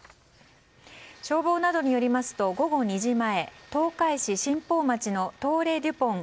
消防などによりますと午後２時前東海市の東レ・デュボン